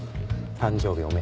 誕生日おめ。